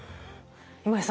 今井さん